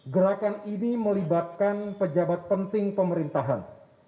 gerakan ini melibatkan pejabat penting pemerintahan